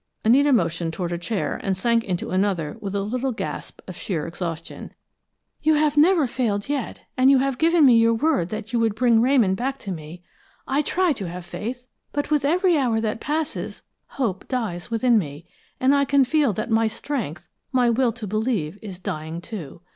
Anita motioned toward a chair and sank into another with a little gasp of sheer exhaustion. "You have never failed yet, and you have given me your word that you would bring Ramon back to me. I try to have faith, but with every hour that passes, hope dies within me, and I can feel that my strength, my will to believe, is dying, too.